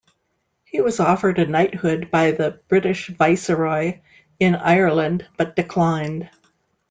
He was offered a knighthood by the British Viceroy in Ireland, but declined.